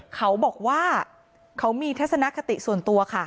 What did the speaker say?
เขาบอกว่าเขามีทัศนคติส่วนตัวค่ะ